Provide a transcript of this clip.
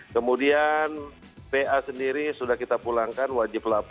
kemudian pa sendiri sudah kita pulangkan wajib lapor